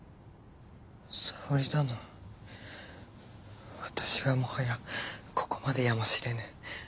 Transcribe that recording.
沙織殿私はもはやここまでやもしれぬ。